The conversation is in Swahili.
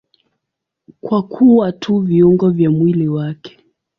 Kwa kuwa tu viungo vya mwili wake.